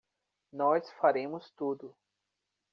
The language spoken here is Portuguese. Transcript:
Nós faremos tudo.